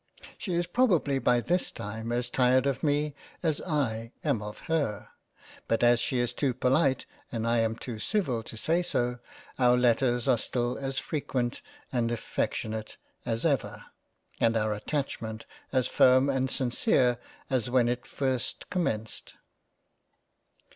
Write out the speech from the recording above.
She is probably by this time as tired of me, as I am of her ; but as she is too polite and I am too civil to say so, our letters are still as frequent and affectionate as ever, and our Attachment as firm and sincere as when it first commenced.